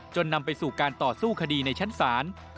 นำไปสู่การต่อสู้คดีในชั้นศาล